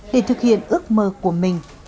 để thực hiện ước mơ của mình